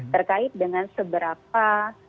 terkait dengan seberapa